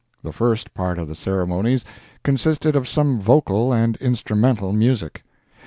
The first part of the ceremonies consisted of some vocal and instrumental music.